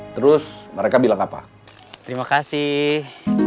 terus mereka bilang apa terima kasih